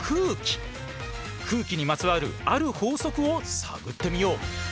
空気にまつわるある法則を探ってみよう。